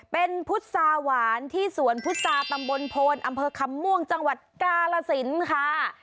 เป็นพุษาหวานที่สวนพุษาตำบลโพนอำเภอคำม่วงจังหวัดกาลสินค่ะ